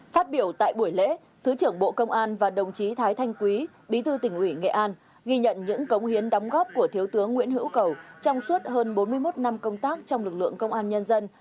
phát biểu tại buổi lễ thứ trưởng bộ công an và đồng chí thái thanh quý bí thư tỉnh ủy nghệ an ghi nhận những cống hiến đóng góp của thiếu tướng nguyễn hữu cầu trong suốt hơn bốn mươi một năm công tác trong lực lượng công an nhân dân